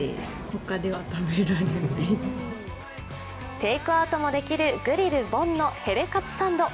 テイクアウトもできるグリル梵のヘレカツサンド。